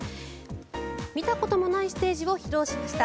見たこともないステージを披露しました。